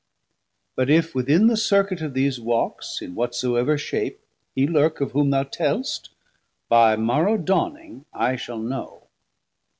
But if within the circuit of these walks In whatsoever shape he lurk, of whom Thou telst, by morrow dawning I shall know.